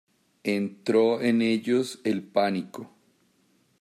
entró en ellos el pánico.